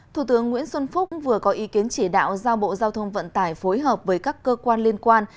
thủ tướng nguyễn xuân phúc vừa có ý kiến chỉ đạo giao bộ giao thông vận tải phối hợp với các cơ quan liên quan